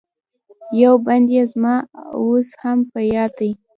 یو بند یې زما اوس هم په یاد دی.